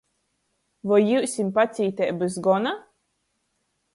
Voi jiusim pacīteibys gona?